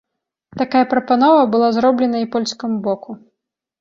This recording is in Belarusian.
Такая прапанова была зробленая і польскаму боку.